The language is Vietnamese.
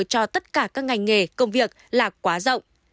cho tất cả các ngành nghề công việc là quá rộng